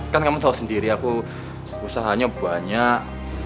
kan kamu tahu sendiri aku usahanya banyak